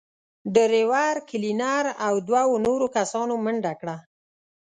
ډرېور، کلينر او دوو نورو کسانو منډه کړه.